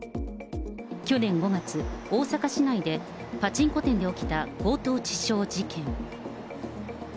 去年５月、大阪市内でパチンコ店で起きた強盗致傷事件。